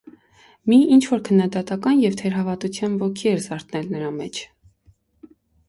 Մի ինչ-որ քննադատական և թերահավատության ոգի էր զարթել նրա մեջ.